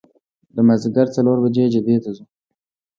د مازدیګر څلور بجې جدې ته ځو.